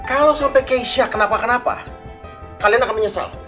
kalau sampai keisha kenapa kenapa kalian akan menyesal